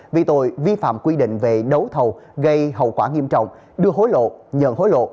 vì tội vi phạm quy định về đấu thầu gây hậu quả nghiêm trọng đưa hối lộ nhận hối lộ